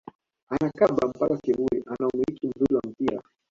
Anakaba mpaka kivuli ana umiliki mzuri wa mpira